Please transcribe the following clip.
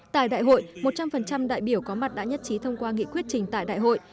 tại đại hội một trăm linh đại biểu có mặt đã nhất trí thông qua nghị quyết trình tại đại hội